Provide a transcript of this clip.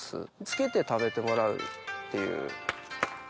つけて食べてもらうっていう。